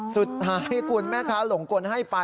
สุดท้ายคุณแม่ค้าหลงกลให้ไป